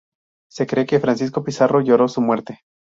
Se cree que Francisco Pizarro lloró su muerte.